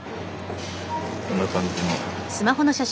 こんな感じの。